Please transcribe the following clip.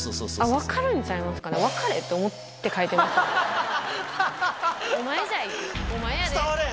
分かるんちゃいますかね、分かれって思って書いてますよ。